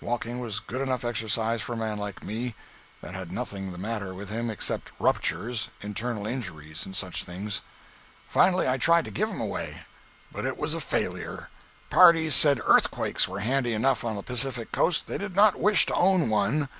Walking was good enough exercise for a man like me, that had nothing the matter with him except ruptures, internal injuries, and such things. Finally I tried to give him away. But it was a failure. Parties said earthquakes were handy enough on the Pacific coast—they did not wish to own one.